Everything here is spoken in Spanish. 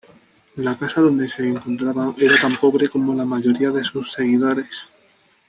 La casa donde se encontraban era tan pobre como la mayoría de sus seguidores.